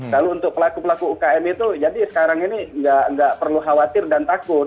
lalu untuk pelaku pelaku ukm itu jadi sekarang ini nggak perlu khawatir dan takut